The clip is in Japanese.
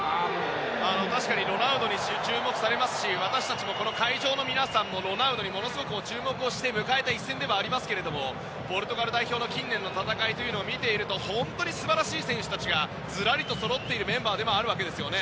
確かにロナウドに注目されますし私たちも、この会場の皆さんもロナウドにものすごく注目をして迎えた一戦ではありますがポルトガル代表の近年の戦いを見ていると本当に素晴らしい選手たちがずらりとそろうチームですよね。